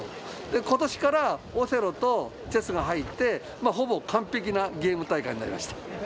で今年からオセロとチェスが入ってほぼ完璧なゲーム大会になりました。